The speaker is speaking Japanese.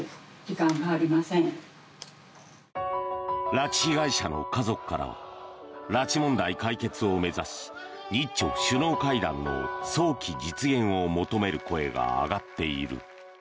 拉致被害者の家族からは拉致問題解決を目指し日朝首脳会談の早期実現を求める声が上がっている。